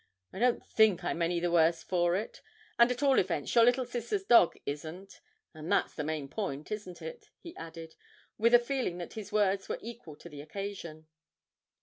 I don't think I'm any the worse for it, and at all events your little sister's dog isn't and that's the main point, isn't it?' he added, with a feeling that his words were equal to the occasion.